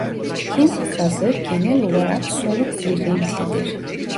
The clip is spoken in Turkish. Hint kazı genel olarak soluk gri renklidir.